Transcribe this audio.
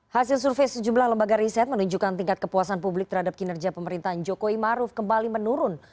hasil survei sejumlah lembaga riset menunjukkan tingkat kepuasan publik terhadap kinerja pemerintahan jokowi maruf kembali menurun